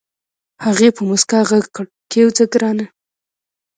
هغې په موسکا غږ کړ کېوځه ګرانه.